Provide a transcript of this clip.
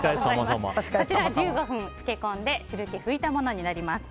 こちら、１５分漬け込んで汁気を拭いたものになります。